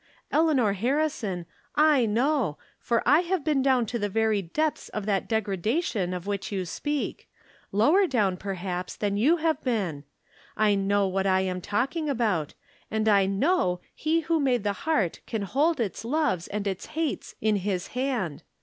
Eleanor Harrison, I know, for I have been down to the very depths of that deg radation of which you speak — Slower down, per haps, than you have been. I know what I am talking about, and I know he who made the heart can hold its loves and its hates in his hand.